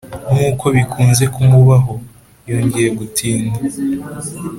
nkuko bikunze kumubaho, yongeye gutinda.